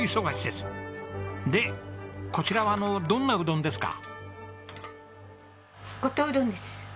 でこちらはあのどんなうどんですか？